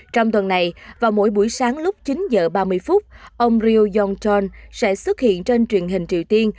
trong tuần này vào mỗi buổi sáng lúc chín h ba mươi ông ryu jong chol sẽ xuất hiện trên truyền hình triều tiên